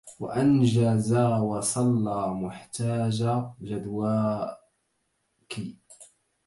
وأنجزى وصلى محتاجَ جدواكِ